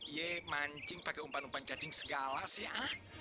yee mancing pakai umpan umpan cacing segala sih ah